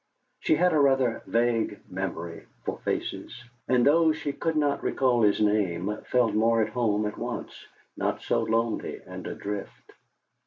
She had a rather vague memory for faces, and though she could not recall his name, felt more at home at once, not so lonely and adrift.